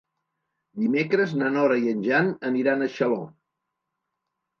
Dimecres na Nora i en Jan aniran a Xaló.